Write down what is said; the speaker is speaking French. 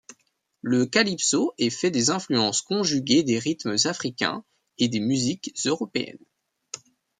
Le calypso est fait des influences conjuguées des rythmes africains et des musiques européennes.